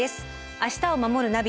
「明日をまもるナビ」